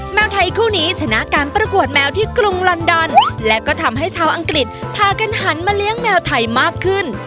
แมวไทยคู่นี้ชนะการประกวดแมวที่กรุงลอนดอนและก็ทำให้ชาวอังกฤษพากันหันมาเลี้ยงแมวไทยมากขึ้น